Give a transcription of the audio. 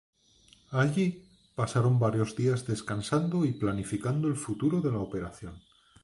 Allí, pasaron varios días descansando y planificando el futuro de la operación.